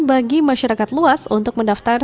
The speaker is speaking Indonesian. bagi masyarakat luas untuk mendaftar